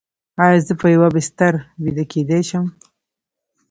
ایا زه په یوه بستر ویده کیدی شم؟